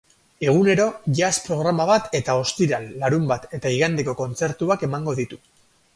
Egunero jazz programa bat eta ostiral, larunbat eta igandeko kontzertuak emango ditu.